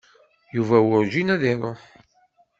Yuba werǧin ad iṛuḥ.